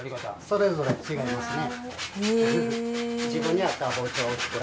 それぞれ違いますね。